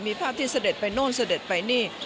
มีภาพที่เสด็จไปโน่นเสด็จไปนี่